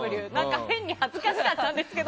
変に恥ずかしかったんですけど。